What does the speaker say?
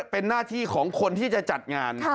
เป็นหน้าที่ของคนที่จะจัดงาน